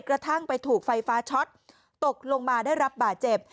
กระทั่งไปถูกไฟฟ้าช็อตตกลงมาได้รับบาดเจ็บ